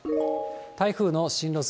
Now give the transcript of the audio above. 台風の進路図。